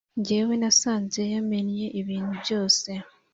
jyewe nasanze yamennye ibintu byose